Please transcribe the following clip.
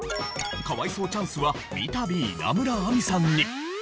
可哀想チャンスは三度稲村亜美さんに。